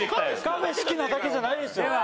カフェ好きなだけじゃないんですよ。